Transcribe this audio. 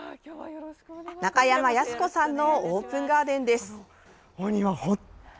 中山康子さんのオープンガーデンです。